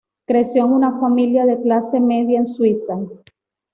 Creció en una familia de clase media en Suiza.